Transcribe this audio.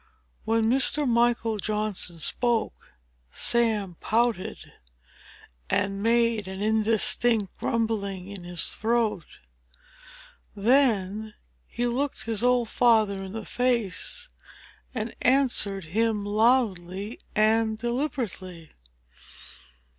When Mr. Michael Johnson spoke, Sam pouted, and made an indistinct grumbling in his throat; then he looked his old father in the face, and answered him loudly and deliberately.